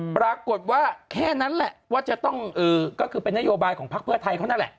ปรากฏว่าแค่นั้นแหละว่าจะต้องก็คือเป็นนโยบายของพักเพื่อไทยเขานั่นแหละ